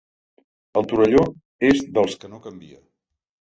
El Torelló és dels que no canvia.